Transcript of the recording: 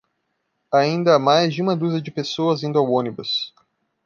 Ainda há mais de uma dúzia de pessoas indo ao ônibus.